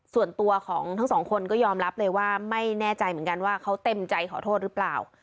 ส่วนตัวของทั้งสองคนก็ยอมรับเลยว่าไม่แน่ใจเหมือนกันว่าเขาเต็มใจขอโทษหรือเปล่า